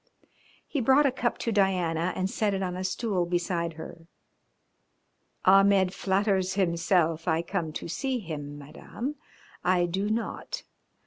He brought a cup to Diana and set it on a stool beside her. "Ahmed flatters himself I come to see him, Madame. I do not.